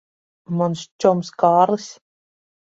Mans čoms Kārlis.